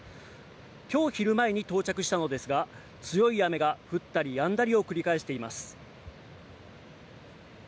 きょう昼前に到着したのですが、強い雨が降ったりやんだりを繰り返しています。